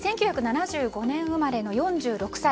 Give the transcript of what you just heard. １９７５年生まれの４６歳。